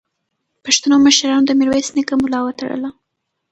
پښتنو مشرانو د میرویس نیکه ملا وتړله.